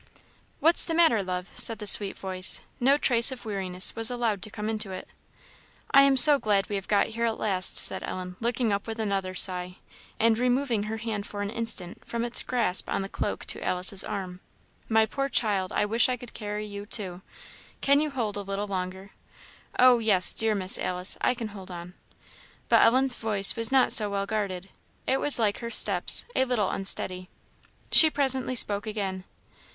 "What's the matter, love?" said the sweet voice. No trace of weariness was allowed to come into it. "I am so glad we have got here at last," said Ellen, looking up with another sigh, and removing her hand for an instant from its grasp on the cloak to Alice's arm. "My poor child! I wish I could carry you, too! Can you hold a little longer?" "Oh, yes, dear Miss Alice; I can hold on." But Ellen's voice was not so well guarded. It was like her steps, a little unsteady. She presently spoke again.